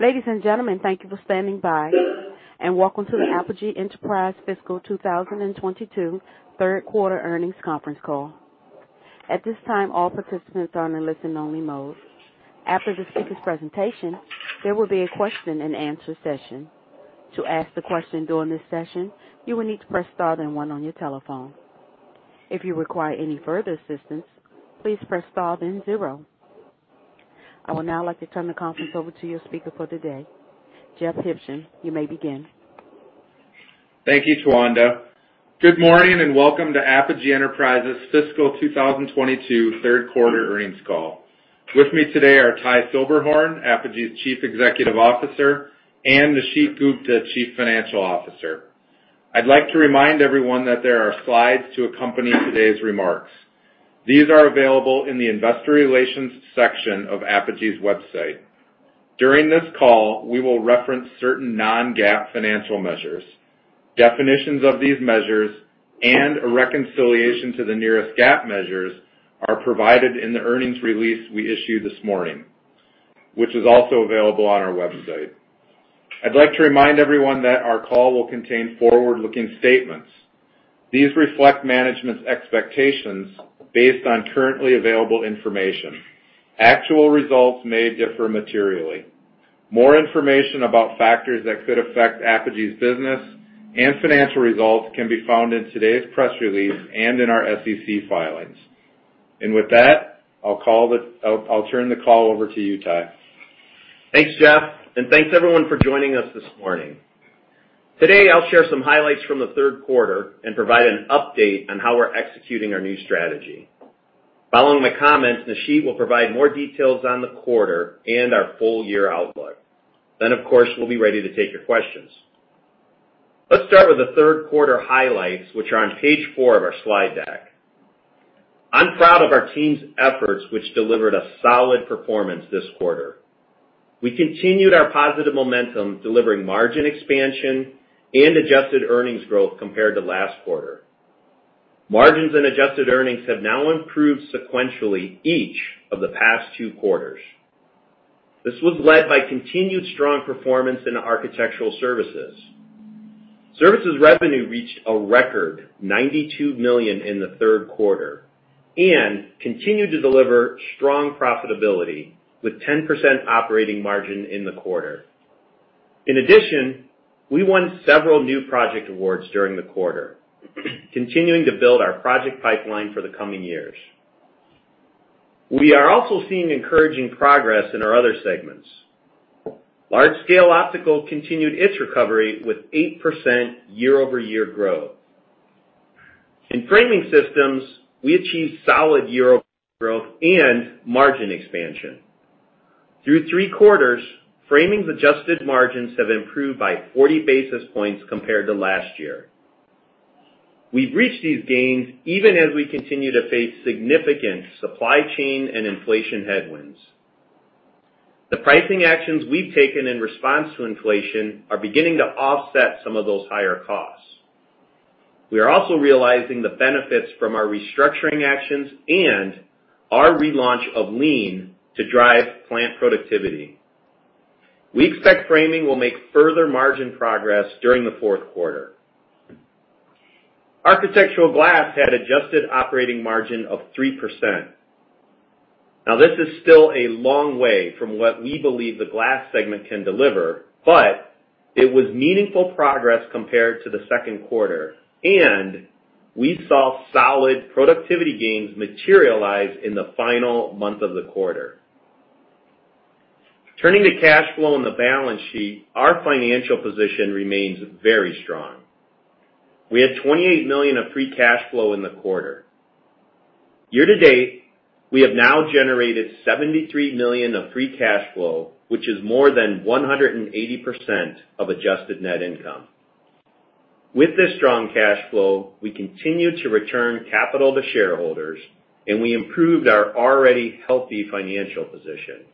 Ladies and gentlemen, thank you for standing by, and welcome to the Apogee Enterprises Fiscal 2022 third quarter earnings conference call. At this time, all participants are in listen only mode. After the speaker's presentation, there will be a question and answer session. To ask the question during this session, you will need to press Star then one on your telephone. If you require any further assistance, please press Star then zero. I would now like to turn the conference over to your speaker for today, Jeff Huebschen. You may begin. Thank you, Tawanda. Good morning, and welcome to Apogee Enterprises fiscal 2022 third quarter earnings call. With me today are Ty Silberhorn, Apogee's Chief Executive Officer, and Nisheet Gupta, Chief Financial Officer. I'd like to remind everyone that there are slides to accompany today's remarks. These are available in the investor relations section of Apogee's website. During this call, we will reference certain non-GAAP financial measures. Definitions of these measures and a reconciliation to the nearest GAAP measures are provided in the earnings release we issued this morning, which is also available on our website. I'd like to remind everyone that our call will contain forward-looking statements. These reflect management's expectations based on currently available information. Actual results may differ materially. More information about factors that could affect Apogee's business and financial results can be found in today's press release and in our SEC filings. I'll turn the call over to you, Ty. Thanks, Jeff, and thanks everyone for joining us this morning. Today, I'll share some highlights from the third quarter and provide an update on how we're executing our new strategy. Following my comments, Nisheet will provide more details on the quarter and our full year outlook. Then, of course, we'll be ready to take your questions. Let's start with the third quarter highlights, which are on page four of our slide deck. I'm proud of our team's efforts, which delivered a solid performance this quarter. We continued our positive momentum, delivering margin expansion and adjusted earnings growth compared to last quarter. Margins and adjusted earnings have now improved sequentially each of the past two quarters. This was led by continued strong performance in Architectural Services. Services revenue reached a record $92 million in the third quarter and continued to deliver strong profitability, with 10% operating margin in the quarter. In addition, we won several new project awards during the quarter, continuing to build our project pipeline for the coming years. We are also seeing encouraging progress in our other segments. Large-Scale Optical continued its recovery with 8% year-over-year growth. In Framing Systems, we achieved solid year-over-year growth and margin expansion. Through three quarters, Framing's adjusted margins have improved by 40 basis points compared to last year. We've reached these gains even as we continue to face significant supply chain and inflation headwinds. The pricing actions we've taken in response to inflation are beginning to offset some of those higher costs. We are also realizing the benefits from our restructuring actions and our relaunch of Lean to drive plant productivity. We expect Framing will make further margin progress during the fourth quarter. Architectural Glass had adjusted operating margin of 3%. Now, this is still a long way from what we believe the Glass segment can deliver, but it was meaningful progress compared to the second quarter, and we saw solid productivity gains materialize in the final month of the quarter. Turning to cash flow on the balance sheet, our financial position remains very strong. We had $28 million of free cash flow in the quarter. Year-to-date, we have now generated $73 million of free cash flow, which is more than 180% of adjusted net income. With this strong cash flow, we continue to return capital to shareholders, and we improved our already healthy financial position.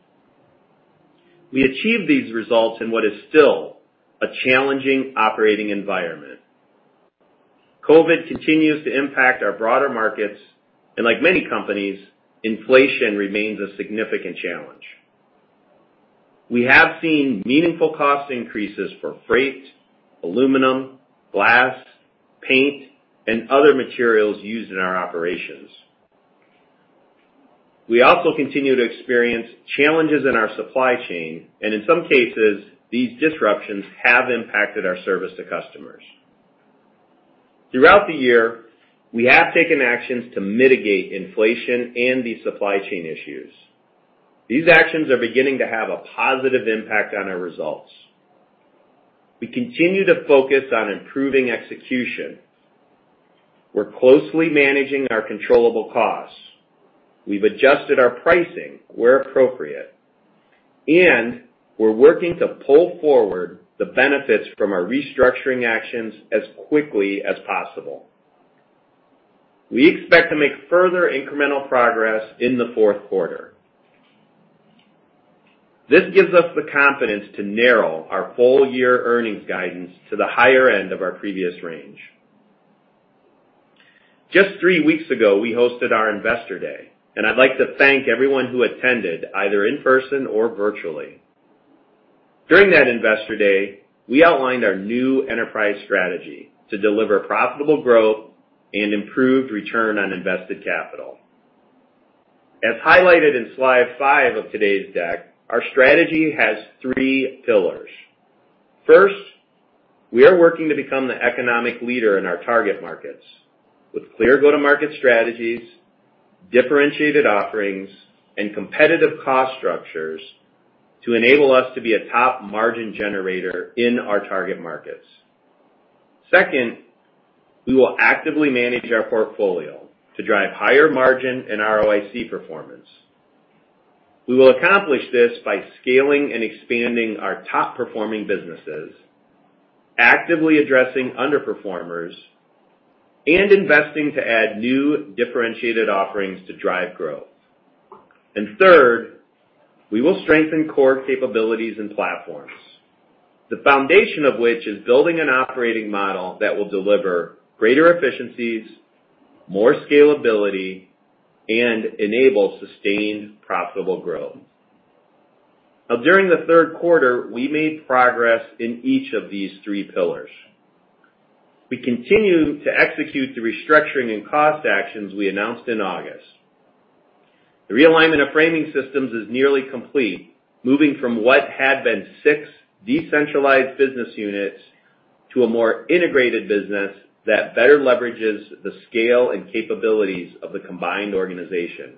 We achieved these results in what is still a challenging operating environment. COVID continues to impact our broader markets, and like many companies, inflation remains a significant challenge. We have seen meaningful cost increases for freight, aluminum, glass, paint, and other materials used in our operations. We also continue to experience challenges in our supply chain, and in some cases, these disruptions have impacted our service to customers. Throughout the year, we have taken actions to mitigate inflation and these supply chain issues. These actions are beginning to have a positive impact on our results. We continue to focus on improving execution. We're closely managing our controllable costs. We've adjusted our pricing where appropriate, and we're working to pull forward the benefits from our restructuring actions as quickly as possible. We expect to make further incremental progress in the fourth quarter. This gives us the confidence to narrow our full year earnings guidance to the higher end of our previous range. Just three weeks ago, we hosted our Investor Day, and I'd like to thank everyone who attended, either in person or virtually. During that Investor Day, we outlined our new enterprise strategy to deliver profitable growth and improved return on invested capital. As highlighted in slide five of today's deck, our strategy has three pillars. First, we are working to become the economic leader in our target markets with clear go-to-market strategies, differentiated offerings, and competitive cost structures to enable us to be a top margin generator in our target markets. Second, we will actively manage our portfolio to drive higher margin and ROIC performance. We will accomplish this by scaling and expanding our top-performing businesses, actively addressing underperformers, and investing to add new differentiated offerings to drive growth. Third, we will strengthen core capabilities and platforms, the foundation of which is building an operating model that will deliver greater efficiencies, more scalability, and enable sustained profitable growth. Now, during the third quarter, we made progress in each of these three pillars. We continue to execute the restructuring and cost actions we announced in August. The realignment of Framing Systems is nearly complete, moving from what had been six decentralized business units to a more integrated business that better leverages the scale and capabilities of the combined organization.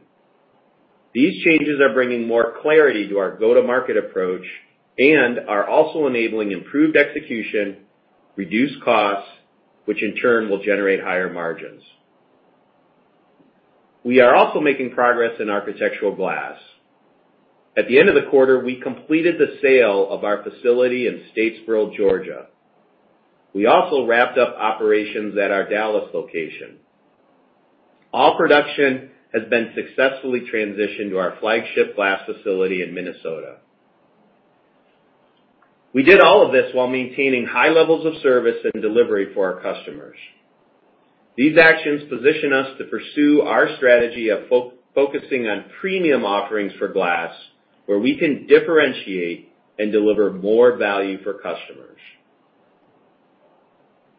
These changes are bringing more clarity to our go-to-market approach and are also enabling improved execution, reduced costs, which in turn will generate higher margins. We are also making progress in Architectural Glass. At the end of the quarter, we completed the sale of our facility in Statesboro, Georgia. We also wrapped up operations at our Dallas location. All production has been successfully transitioned to our flagship glass facility in Minnesota. We did all of this while maintaining high levels of service and delivery for our customers. These actions position us to pursue our strategy of focusing on premium offerings for glass, where we can differentiate and deliver more value for customers.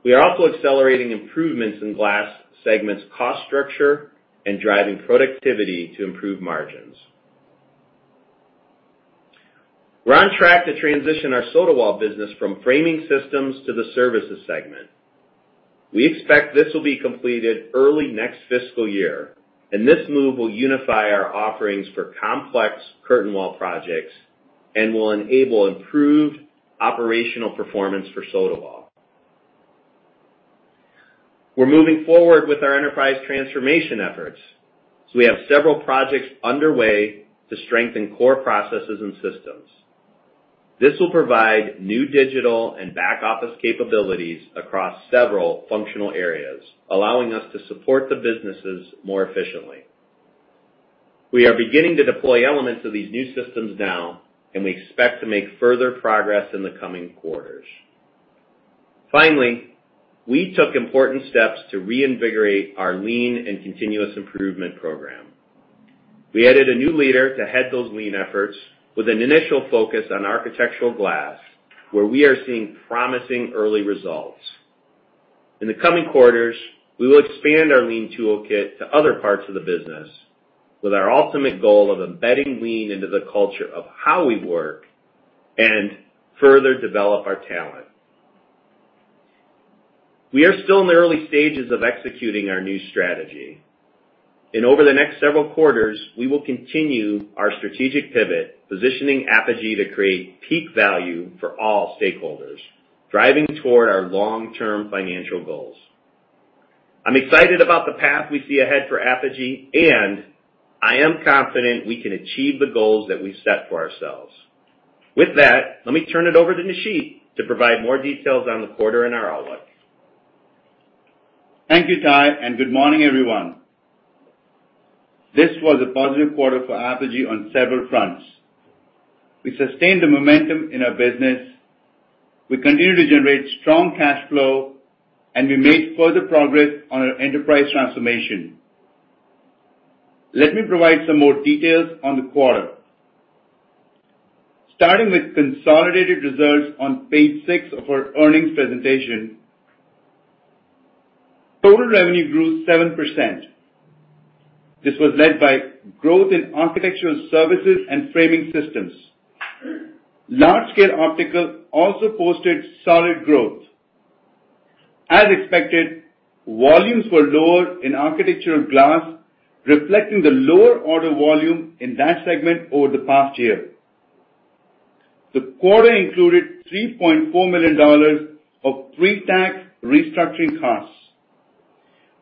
We are also accelerating improvements in glass segment's cost structure and driving productivity to improve margins. We're on track to transition our Sotawall business from Framing Systems to the Services segment. We expect this will be completed early next fiscal year, and this move will unify our offerings for complex curtain wall projects and will enable improved operational performance for Sotawall. We're moving forward with our enterprise transformation efforts, so we have several projects underway to strengthen core processes and systems. This will provide new digital and back-office capabilities across several functional areas, allowing us to support the businesses more efficiently. We are beginning to deploy elements of these new systems now, and we expect to make further progress in the coming quarters. Finally, we took important steps to reinvigorate our Lean and continuous improvement program. We added a new leader to head those Lean efforts with an initial focus on Architectural Glass, where we are seeing promising early results. In the coming quarters, we will expand our Lean toolkit to other parts of the business with our ultimate goal of embedding Lean into the culture of how we work and further develop our talent. We are still in the early stages of executing our new strategy, and over the next several quarters, we will continue our strategic pivot, positioning Apogee to create peak value for all stakeholders, driving toward our long-term financial goals. I'm excited about the path we see ahead for Apogee, and I am confident we can achieve the goals that we've set for ourselves. With that, let me turn it over to Nisheet to provide more details on the quarter and our outlook. Thank you, Ty, and good morning, everyone. This was a positive quarter for Apogee on several fronts. We sustained the momentum in our business, we continued to generate strong cash flow, and we made further progress on our enterprise transformation. Let me provide some more details on the quarter. Starting with consolidated results on page six of our earnings presentation, total revenue grew 7%. This was led by growth in Architectural Services and Framing Systems. Large-Scale Optical also posted solid growth. As expected, volumes were lower in Architectural Glass, reflecting the lower order volume in that segment over the past year. The quarter included $3.4 million of pre-tax restructuring costs.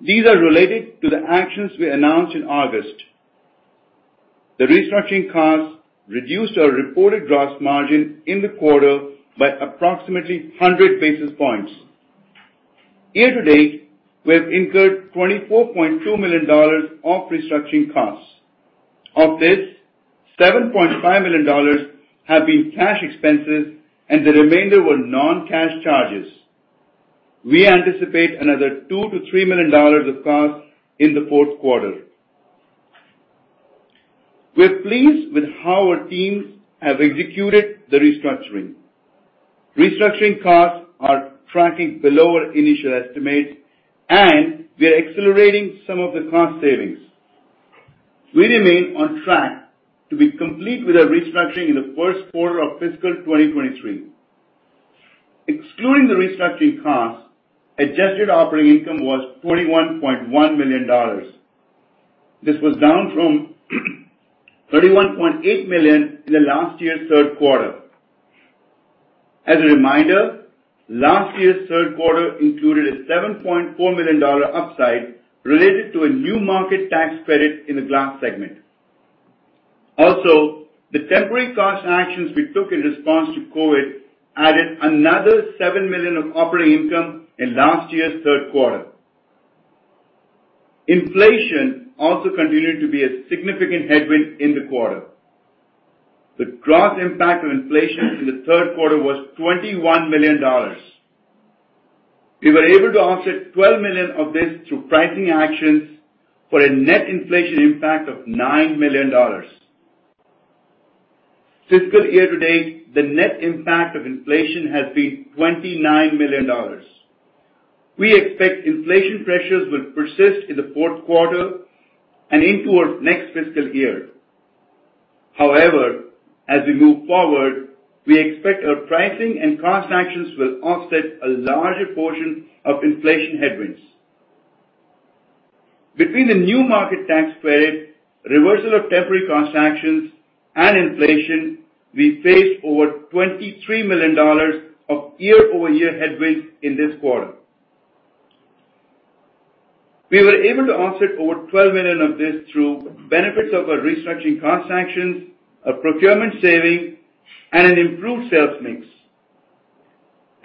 These are related to the actions we announced in August. The restructuring costs reduced our reported gross margin in the quarter by approximately 100 basis points. Year to date, we have incurred $24.2 million of restructuring costs. Of this, $7.5 million have been cash expenses and the remainder were non-cash charges. We anticipate another $2 million-$3 million of costs in the fourth quarter. We're pleased with how our teams have executed the restructuring. Restructuring costs are tracking below our initial estimates, and we are accelerating some of the cost savings. We remain on track to be complete with our restructuring in the first quarter of fiscal 2023. Excluding the restructuring costs, adjusted operating income was $41.1 million. This was down from $31.8 million in the last year's third quarter. As a reminder, last year's third quarter included a $7.4 million upside related to a New Markets Tax Credit in the glass segment. Also, the temporary cost actions we took in response to COVID added another $7 million of operating income in last year's third quarter. Inflation also continued to be a significant headwind in the quarter. The gross impact of inflation in the third quarter was $21 million. We were able to offset $12 million of this through pricing actions for a net inflation impact of $9 million. Fiscal year to date, the net impact of inflation has been $29 million. We expect inflation pressures will persist in the fourth quarter and into our next fiscal year. However, as we move forward, we expect our pricing and cost actions will offset a larger portion of inflation headwinds. Between the New Markets Tax Credit, reversal of temporary cost actions, and inflation, we face over $23 million of year-over-year headwinds in this quarter. We were able to offset over $12 million of this through benefits of our restructuring cost actions, our procurement saving, and an improved sales mix.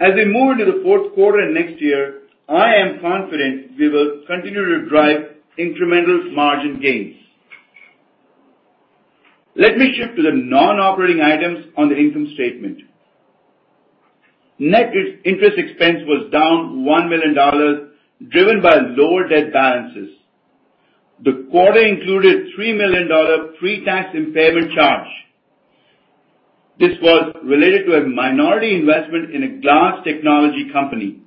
As we move into the fourth quarter next year, I am confident we will continue to drive incremental margin gains. Let me shift to the non-operating items on the income statement. Net interest expense was down $1 million, driven by lower debt balances. The quarter included $3 million pre-tax impairment charge. This was related to a minority investment in a glass technology company.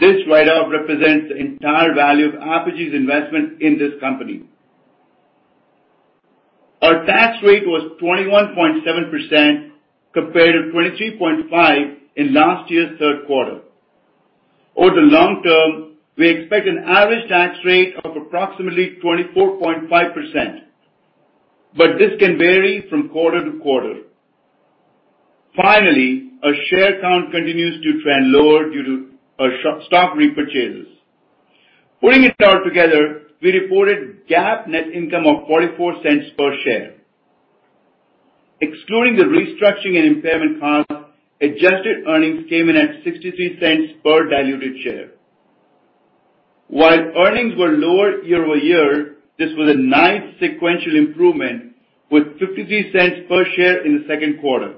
This write-off represents the entire value of Apogee's investment in this company. Our tax rate was 21.7% compared to 23.5% in last year's third quarter. Over the long term, we expect an average tax rate of approximately 24.5%, but this can vary from quarter to quarter. Finally, our share count continues to trend lower due to our share repurchases. Putting it all together, we reported GAAP net income of $0.44 per share. Excluding the restructuring and impairment costs, adjusted earnings came in at $0.63 per diluted share. While earnings were lower year-over-year, this was a nice sequential improvement with $0.53 per share in the second quarter.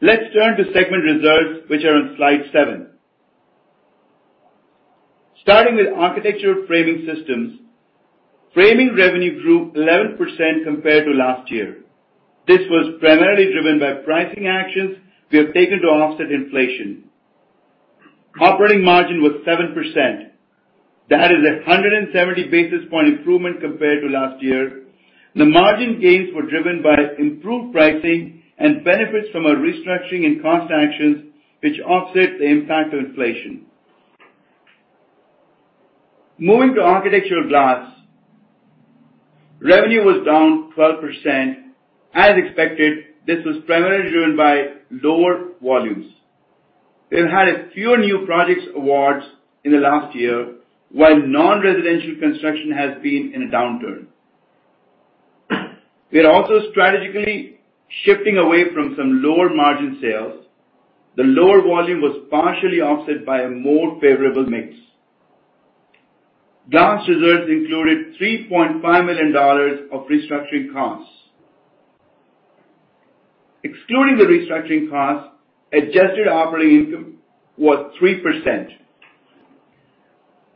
Let's turn to segment results, which are on slide 7. Starting with Architectural Framing Systems, Framing revenue grew 11% compared to last year. This was primarily driven by pricing actions we have taken to offset inflation. Operating margin was 7%. That is a 170 basis point improvement compared to last year. The margin gains were driven by improved pricing and benefits from our restructuring and cost actions, which offset the impact of inflation. Moving to Architectural Glass, revenue was down 12%. As expected, this was primarily driven by lower volumes. We have had a few new project awards in the last year, while non-residential construction has been in a downturn. We are also strategically shifting away from some lower margin sales. The lower volume was partially offset by a more favorable mix. Glass reserves included $3.5 million of restructuring costs. Excluding the restructuring costs, adjusted operating income was 3%.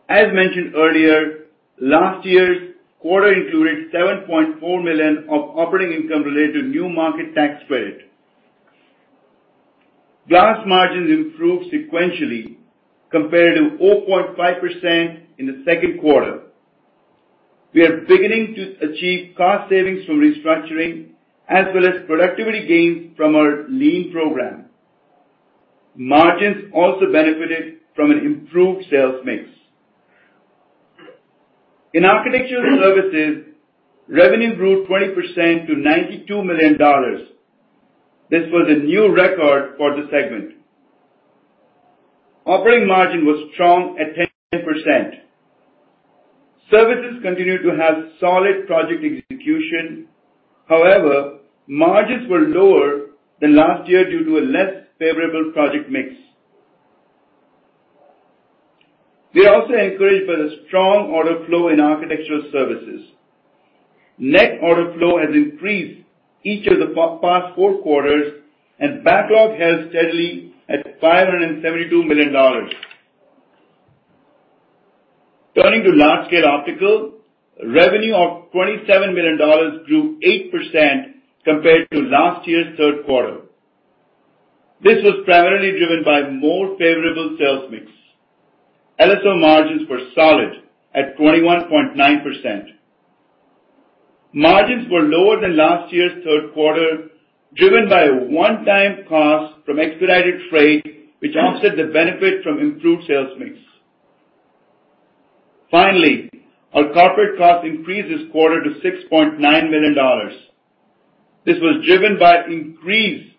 As mentioned earlier, last year's quarter included $7.4 million of operating income related to New Markets Tax Credit. Glass margins improved sequentially compared to 0.5% in the second quarter. We are beginning to achieve cost savings from restructuring as well as productivity gains from our Lean program. Margins also benefited from an improved sales mix. In Architectural Services, revenue grew 20% to $92 million. This was a new record for the segment. Operating margin was strong at 10%. Services continued to have solid project execution. However, margins were lower than last year due to a less favorable project mix. We are also encouraged by the strong order flow in Architectural Services. Net order flow has increased each of the past four quarters and backlog held steadily at $572 million. Turning to Large-Scale Optical, revenue of $27 million grew 8% compared to last year's third quarter. This was primarily driven by more favorable sales mix. LSO margins were solid at 21.9%. Margins were lower than last year's third quarter, driven by a one-time cost from expedited freight, which offset the benefit from improved sales mix. Finally, our corporate costs increased this quarter to $6.9 million. This was driven by increased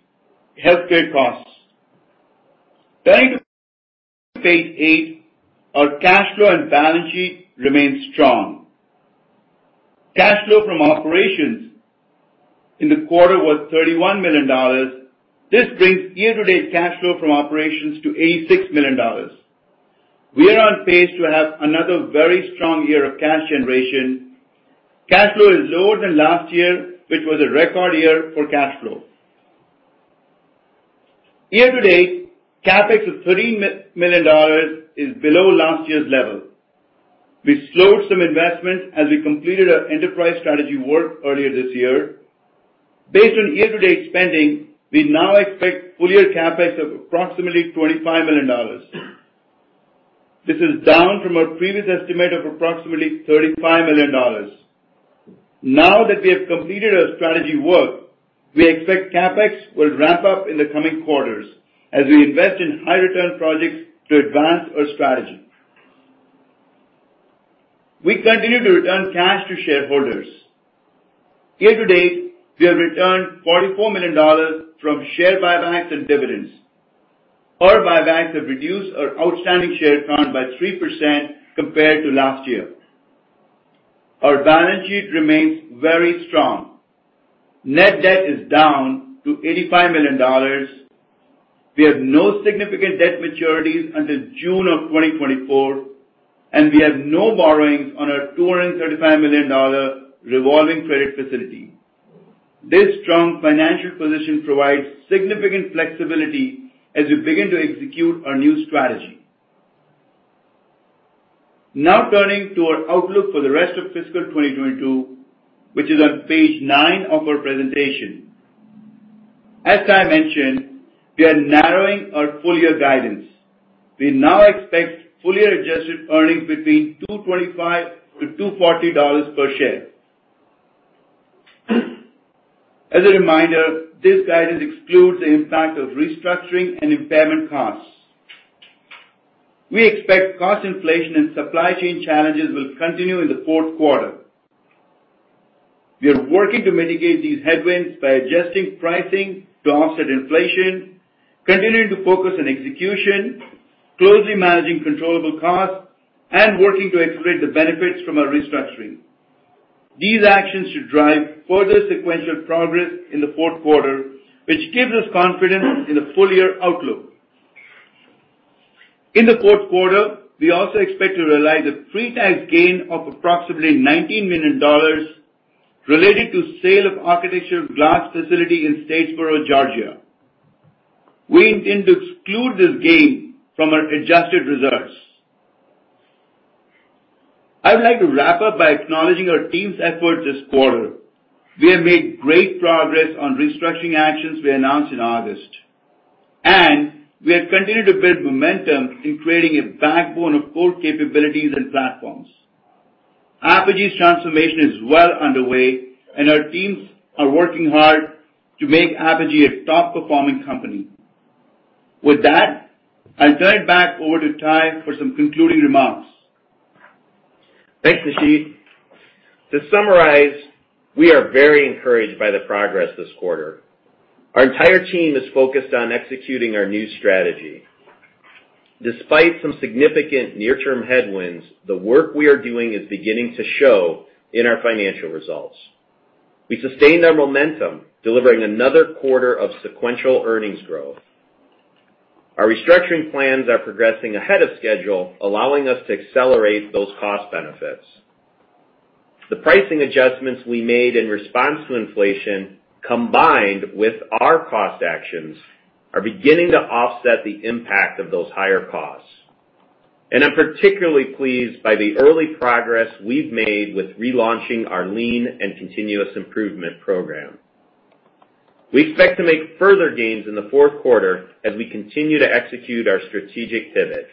healthcare costs. Turning to page eight, our cash flow and balance sheet remain strong. Cash flow from operations in the quarter was $31 million. This brings year-to-date cash flow from operations to $86 million. We are on pace to have another very strong year of cash generation. Cash flow is lower than last year, which was a record year for cash flow. Year-to-date, CapEx of $13 million is below last year's level. We slowed some investments as we completed our enterprise strategy work earlier this year. Based on year-to-date spending, we now expect full-year CapEx of approximately $25 million. This is down from our previous estimate of approximately $35 million. Now that we have completed our strategy work, we expect CapEx will ramp up in the coming quarters as we invest in high return projects to advance our strategy. We continue to return cash to shareholders. Here to date, we have returned $44 million from share buybacks and dividends. Our buybacks have reduced our outstanding share count by 3% compared to last year. Our balance sheet remains very strong. Net debt is down to $85 million. We have no significant debt maturities until June 2024, and we have no borrowings on our $235 million revolving credit facility. This strong financial position provides significant flexibility as we begin to execute our new strategy. Now turning to our outlook for the rest of fiscal 2022, which is on page nine of our presentation. As I mentioned, we are narrowing our full-year guidance. We now expect full-year adjusted earnings between $2.25-$2.40 per share. As a reminder, this guidance excludes the impact of restructuring and impairment costs. We expect cost inflation and supply chain challenges will continue in the fourth quarter. We are working to mitigate these headwinds by adjusting pricing to offset inflation, continuing to focus on execution, closely managing controllable costs, and working to accelerate the benefits from our restructuring. These actions should drive further sequential progress in the fourth quarter, which gives us confidence in the full-year outlook. In the fourth quarter, we also expect to realize a pre-tax gain of approximately $19 million related to sale of Architectural Glass facility in Statesboro, Georgia. We intend to exclude this gain from our adjusted results. I would like to wrap up by acknowledging our team's efforts this quarter. We have made great progress on restructuring actions we announced in August, and we have continued to build momentum in creating a backbone of core capabilities and platforms. Apogee's transformation is well underway and our teams are working hard to make Apogee a top performing company. With that, I turn it back over to Ty for some concluding remarks. Thanks, Nisheet. To summarize, we are very encouraged by the progress this quarter. Our entire team is focused on executing our new strategy. Despite some significant near-term headwinds, the work we are doing is beginning to show in our financial results. We sustained our momentum, delivering another quarter of sequential earnings growth. Our restructuring plans are progressing ahead of schedule, allowing us to accelerate those cost benefits. The pricing adjustments we made in response to inflation, combined with our cost actions, are beginning to offset the impact of those higher costs. I'm particularly pleased by the early progress we've made with relaunching our Lean and continuous improvement program. We expect to make further gains in the fourth quarter as we continue to execute our strategic pivot.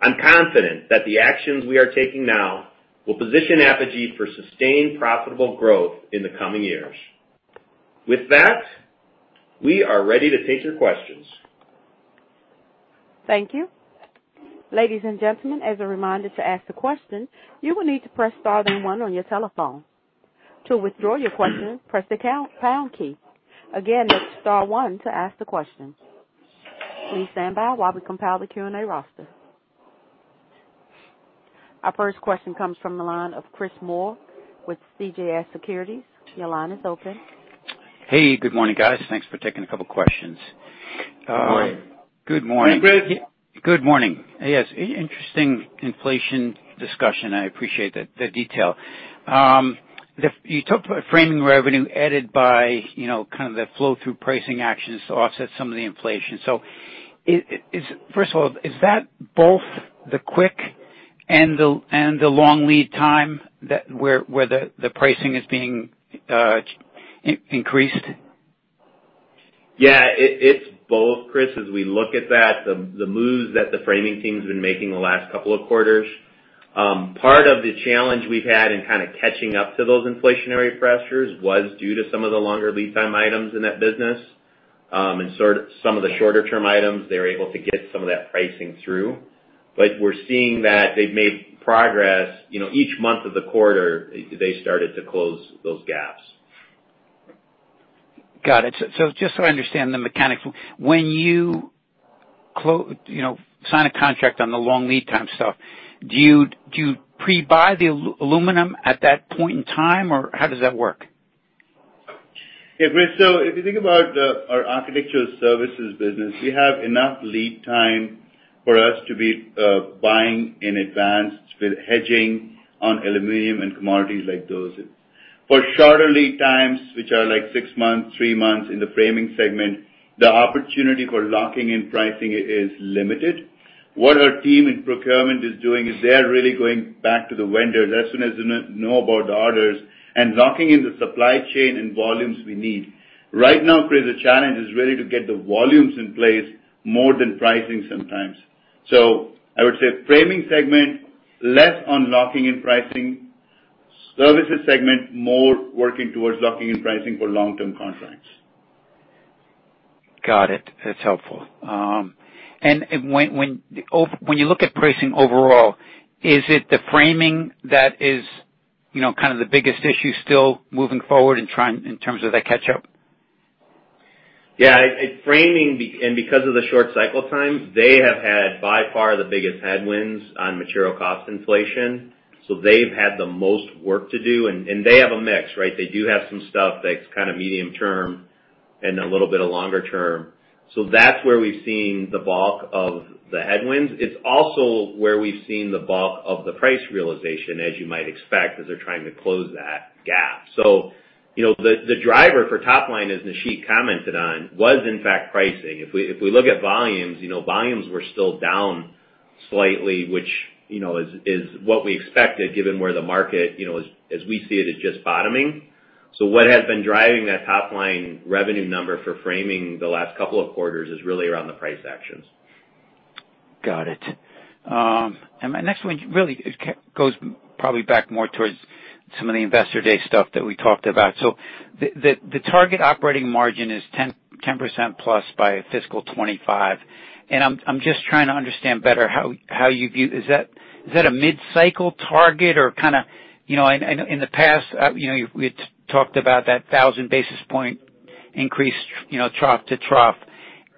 I'm confident that the actions we are taking now will position Apogee for sustained profitable growth in the coming years. With that, we are ready to take your questions. Thank you. Ladies and gentlemen, as a reminder, to ask a question, you will need to press star then one on your telephone. To withdraw your question, press the count- pound key. Again, it's star one to ask the question. Please stand by while we compile the Q&A roster. Our first question comes from the line of Chris Moore with CJS Securities. Your line is open. Hey, good morning, guys. Thanks for taking a couple questions. Good morning. Good morning. Good morning. Good morning. Yes, interesting inflation discussion. I appreciate the detail. You talked about Framing revenue added by, you know, kind of the flow-through pricing actions to offset some of the inflation. First of all, is that both the quick and the long lead time that where the pricing is being increased? Yeah, it's both, Chris, as we look at that, the moves that the framing team's been making the last couple of quarters. Part of the challenge we've had in kinda catching up to those inflationary pressures was due to some of the longer lead time items in that business. Sort of some of the shorter-term items, they were able to get some of that pricing through. We're seeing that they've made progress, you know, each month of the quarter, they started to close those gaps. Got it. Just so I understand the mechanics. When you know, sign a contract on the long lead time stuff, do you pre-buy the aluminum at that point in time, or how does that work? Yeah, Chris, so if you think about our Architectural Services business, we have enough lead time for us to be buying in advance with hedging on aluminum and commodities like those. For shorter lead times, which are like six months, three months in the Framing segment, the opportunity for locking in pricing is limited. What our team in procurement is doing is they're really going back to the vendors as soon as they know about the orders and locking in the supply chain and volumes we need. Right now, Chris, the challenge is really to get the volumes in place more than pricing sometimes. I would say Framing segment, less on locking in pricing. Services segment, more working towards locking in pricing for long-term contracts. Got it. That's helpful. And when you look at pricing overall, is it the framing that is, you know, kind of the biggest issue still moving forward in terms of the catch-up? Yeah, it's framing and because of the short cycle time, they have had by far the biggest headwinds on material cost inflation, so they've had the most work to do. They have a mix, right? They do have some stuff that's kinda medium term and a little bit of longer term. That's where we've seen the bulk of the headwinds. It's also where we've seen the bulk of the price realization, as you might expect, as they're trying to close that gap. You know, the driver for top line, as Nisheet commented on, was in fact pricing. If we look at volumes, you know, volumes were still down slightly, which, you know, is what we expected given where the market, you know, as we see it, is just bottoming. What has been driving that top line revenue number for Framing the last couple of quarters is really around the price actions. Got it. My next one really goes probably back more towards some of the Investor Day stuff that we talked about. The target operating margin is 10%+ by fiscal 2025. I'm just trying to understand better how you view it. Is that a mid-cycle target or kinda, you know, I know in the past, you know, we'd talked about that 1000 basis point increase, you know, trough to trough.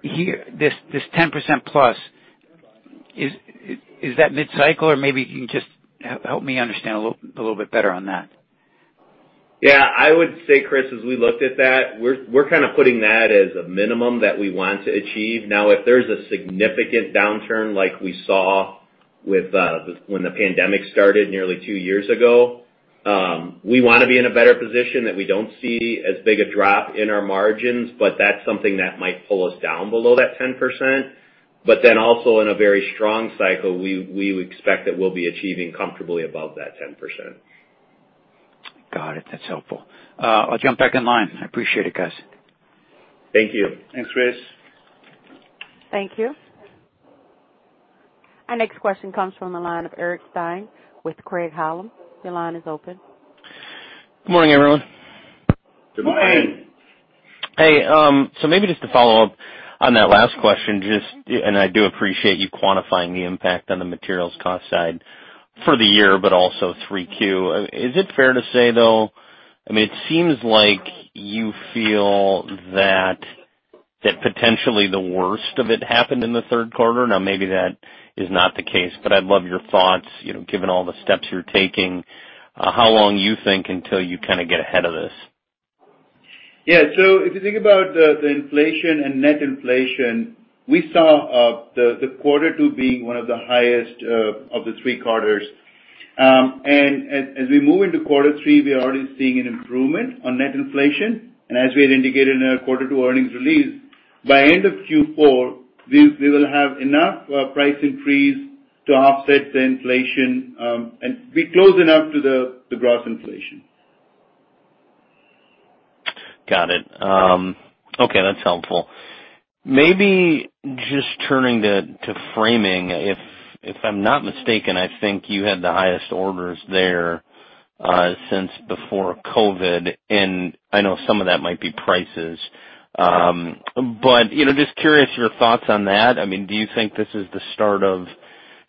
Here, this 10%+ is that mid-cycle? Or maybe you can just help me understand a little bit better on that. Yeah. I would say, Chris, as we looked at that, we're kinda putting that as a minimum that we want to achieve. Now, if there's a significant downturn like we saw when the pandemic started nearly two years ago, we wanna be in a better position that we don't see as big a drop in our margins, but that's something that might pull us down below that 10%. But then also in a very strong cycle, we would expect that we'll be achieving comfortably above that 10%. Got it. That's helpful. I'll jump back in line. I appreciate it, guys. Thank you. Thanks, Chris. Thank you. Our next question comes from the line of Eric Stine with Craig-Hallum. Your line is open. Good morning, everyone. Good morning. Hey, so maybe just to follow up on that last question, just, and I do appreciate you quantifying the impact on the materials cost side for the year but also 3Q. Is it fair to say, though, I mean, it seems like you feel that potentially the worst of it happened in the third quarter. Now maybe that is not the case, but I'd love your thoughts, you know, given all the steps you're taking, how long you think until you kinda get ahead of this. If you think about the inflation and net inflation we saw, the quarter two being one of the highest of the three quarters. As we move into quarter three, we are already seeing an improvement on net inflation. As we had indicated in our quarter two earnings release, by end of Q4, we will have enough price increase to offset the inflation, and be close enough to the gross inflation. Got it. Okay, that's helpful. Maybe just turning to framing, if I'm not mistaken, I think you had the highest orders there since before COVID, and I know some of that might be prices. You know, just curious your thoughts on that. I mean, do you think this is the start of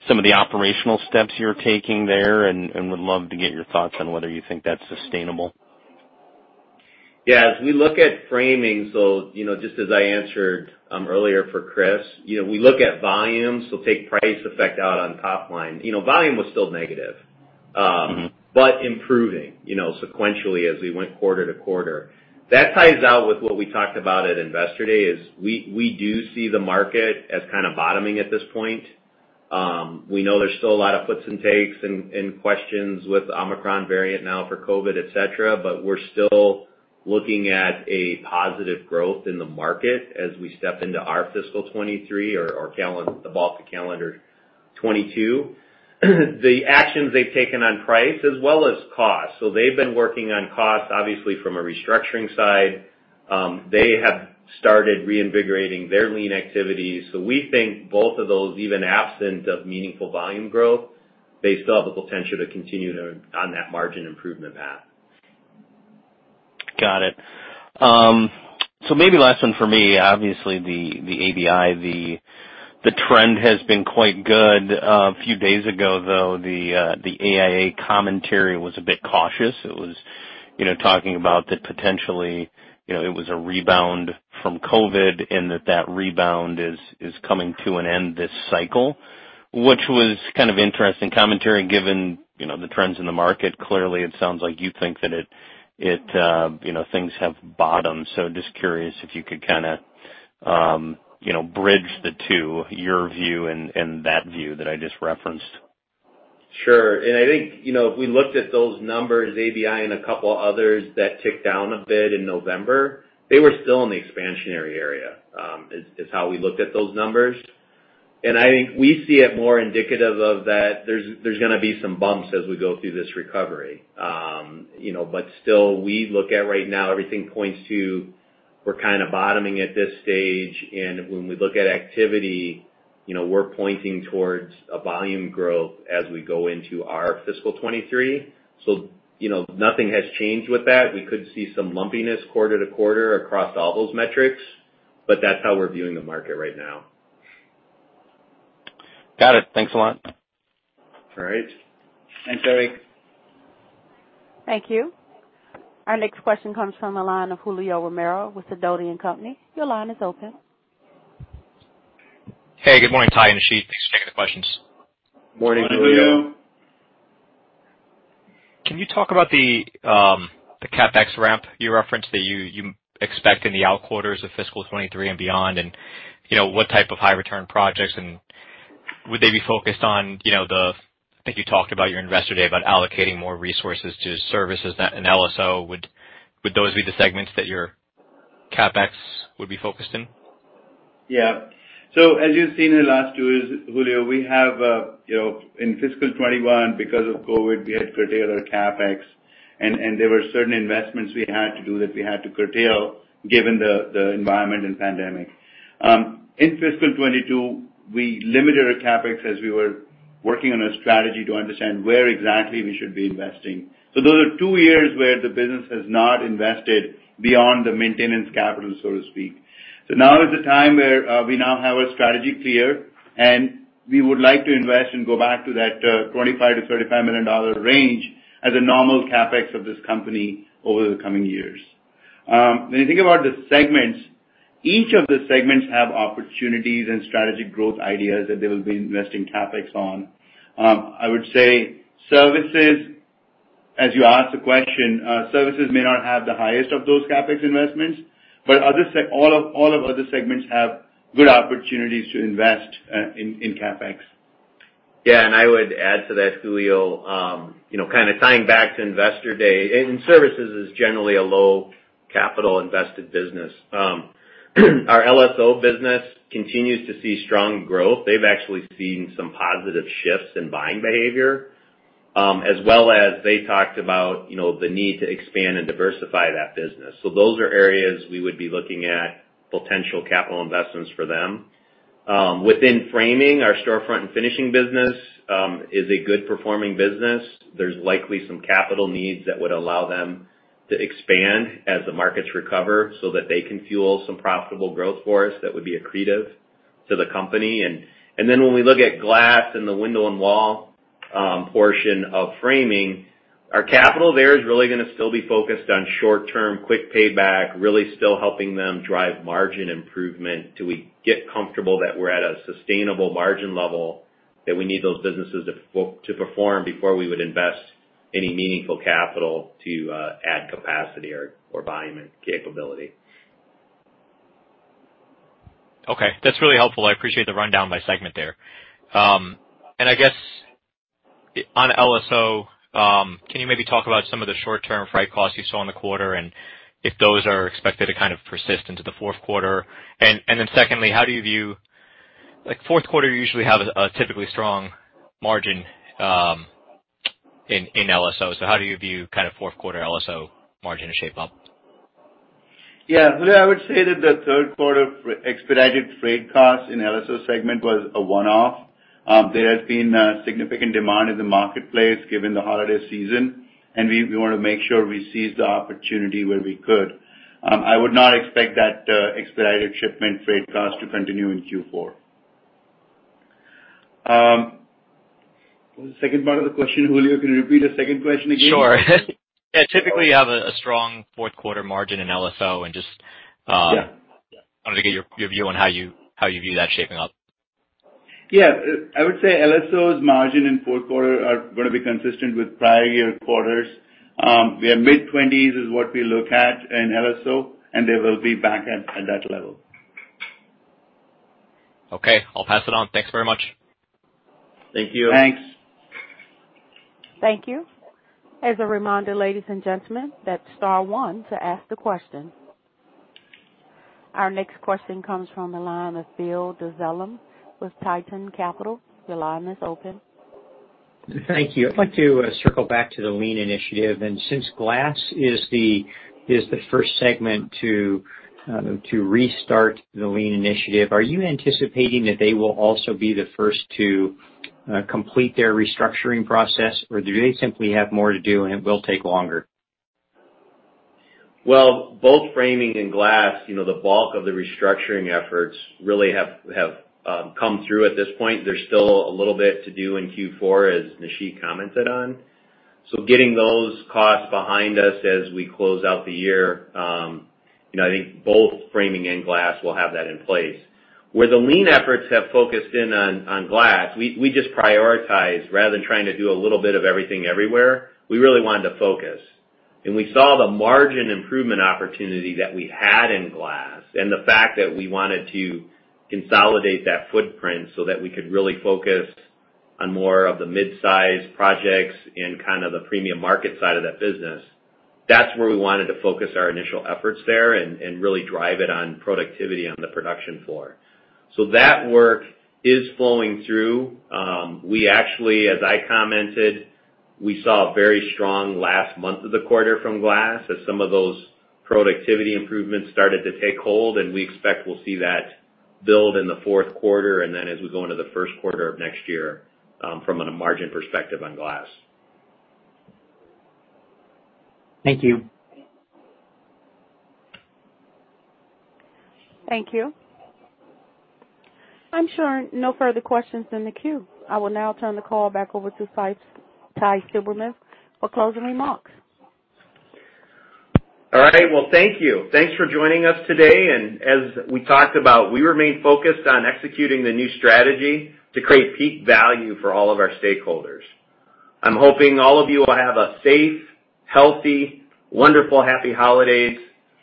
some of the operational steps you're taking there, and would love to get your thoughts on whether you think that's sustainable. Yeah, as we look at framing, so you know, just as I answered earlier for Chris, you know, we look at volume, so take price effect out on top line. You know, volume was still negative. Mm-hmm. Improving, you know, sequentially as we went quarter to quarter. That ties out with what we talked about at Investor Day is we do see the market as kind of bottoming at this point. We know there's still a lot of puts and takes and questions with Omicron variant now for COVID, et cetera, but we're still looking at a positive growth in the market as we step into our fiscal 2023 or the bulk of calendar 2022. The actions they've taken on price as well as cost. So they've been working on cost, obviously from a restructuring side. They have started reinvigorating their Lean activities. So we think both of those, even absent of meaningful volume growth, they still have the potential to continue on that margin improvement path. Got it. So maybe last one for me, obviously the ABI, the trend has been quite good. A few days ago, though, the AIA commentary was a bit cautious. It was, you know, talking about that potentially, you know, it was a rebound from COVID and that rebound is coming to an end this cycle, which was kind of interesting commentary given, you know, the trends in the market. Clearly, it sounds like you think that it, you know, things have bottomed. Just curious if you could kinda, you know, bridge the two, your view and that view that I just referenced. Sure. I think, you know, if we looked at those numbers, ABI and a couple others that ticked down a bit in November, they were still in the expansionary area, is how we looked at those numbers. I think we see it more indicative of that there's gonna be some bumps as we go through this recovery. You know, still, we look at right now, everything points to we're kinda bottoming at this stage. When we look at activity, you know, we're pointing towards a volume growth as we go into our fiscal 2023. You know, nothing has changed with that. We could see some lumpiness quarter to quarter across all those metrics, but that's how we're viewing the market right now. Got it. Thanks a lot. All right. Thanks, Eric. Thank you. Our next question comes from the line of Julio Romero with Sidoti & Company. Your line is open. Hey, good morning, Ty and Nisheet. Thanks for taking the questions. Morning, Julio. Morning, Julio. Can you talk about the CapEx ramp you referenced that you expect in the outer quarters of fiscal 2023 and beyond, and you know, what type of high return projects and would they be focused on, you know, the. I think you talked about your Investor Day about allocating more resources to services and LSO. Would those be the segments that your CapEx would be focused in? Yeah. As you've seen in the last two years, Julio, we have, you know, in fiscal 2021, because of COVID, we had curtailed our CapEx and there were certain investments we had to do that we had to curtail given the environment and pandemic. In fiscal 2022, we limited our CapEx as we were working on a strategy to understand where exactly we should be investing. Those are two years where the business has not invested beyond the maintenance capital, so to speak. Now is the time where we now have our strategy clear, and we would like to invest and go back to that $25 million-$35 million range as a normal CapEx of this company over the coming years. When you think about the segments, each of the segments have opportunities and strategic growth ideas that they will be investing CapEx on. I would say services, as you asked the question, services may not have the highest of those CapEx investments, but all of other segments have good opportunities to invest in CapEx. Yeah, I would add to that, Julio, you know, kinda tying back to Investor Day, services is generally a low capital invested business. Our LSO business continues to see strong growth. They've actually seen some positive shifts in buying behavior, as well as they talked about, you know, the need to expand and diversify that business. Those are areas we would be looking at potential capital investments for them. Within framing, our storefront and finishing business is a good performing business. There's likely some capital needs that would allow them to expand as the markets recover so that they can fuel some profitable growth for us that would be accretive to the company. Then when we look at glass and the window and wall portion of framing, our capital there is really gonna still be focused on short term, quick payback, really still helping them drive margin improvement till we get comfortable that we're at a sustainable margin level, that we need those businesses to perform before we would invest any meaningful capital to add capacity or volume and capability. Okay. That's really helpful. I appreciate the rundown by segment there. I guess on LSO, can you maybe talk about some of the short-term freight costs you saw in the quarter, and if those are expected to kind of persist into the fourth quarter? Second, like fourth quarter, you usually have a typically strong margin in LSO. How do you view kind of fourth quarter LSO margin shape up? Yeah. Julio, I would say that the third quarter expedited freight costs in LSO segment was a one-off. There has been a significant demand in the marketplace given the holiday season, and we wanna make sure we seize the opportunity where we could. I would not expect that expedited shipment freight cost to continue in Q4. The second part of the question, Julio, can you repeat the second question again? Sure. Yeah, typically, you have a strong fourth quarter margin in LSO and just. Yeah. I wanted to get your view on how you view that shaping up. Yeah. I would say LSO's margin in fourth quarter are gonna be consistent with prior year quarters. We are mid-20s% is what we look at in LSO, and they will be back at that level. Okay. I'll pass it on. Thanks very much. Thank you. Thanks. Thank you. As a reminder, ladies and gentlemen, that's star one to ask the question. Our next question comes from the line of Bill Dezellem with Tieton Capital. Your line is open. Thank you. I'd like to circle back to the Lean initiative. Since glass is the first segment to restart the Lean initiative, are you anticipating that they will also be the first to complete their restructuring process, or do they simply have more to do and it will take longer? Well, both framing and glass, you know, the bulk of the restructuring efforts really have come through at this point. There's still a little bit to do in Q4, as Nisheet commented on. Getting those costs behind us as we close out the year, you know, I think both framing and glass will have that in place. Where the Lean efforts have focused in on glass, we just prioritize rather than trying to do a little bit of everything everywhere, we really wanted to focus. We saw the margin improvement opportunity that we had in glass and the fact that we wanted to consolidate that footprint so that we could really focus on more of the mid-size projects and kind of the premium market side of that business. That's where we wanted to focus our initial efforts there and really drive it on productivity on the production floor. That work is flowing through. We actually, as I commented, we saw a very strong last month of the quarter from glass as some of those productivity improvements started to take hold, and we expect we'll see that build in the fourth quarter and then as we go into the first quarter of next year, from a margin perspective on glass. Thank you. Thank you. I'm showing no further questions in the queue. I will now turn the call back over to Ty Silberhorn for closing remarks. All right. Well, thank you. Thanks for joining us today. As we talked about, we remain focused on executing the new strategy to create peak value for all of our stakeholders. I'm hoping all of you will have a safe, healthy, wonderful, happy holidays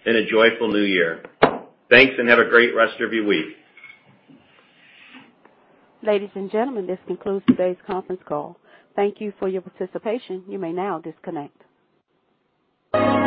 and a joyful new year. Thanks, and have a great rest of your week. Ladies and gentlemen, this concludes today's conference call. Thank you for your participation. You may now disconnect.